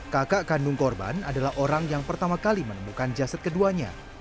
kakak kandung korban adalah orang yang pertama kali menemukan jasad keduanya